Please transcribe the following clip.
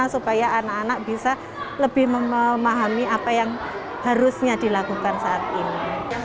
supaya anak anak bisa lebih memahami apa yang harusnya dilakukan saat ini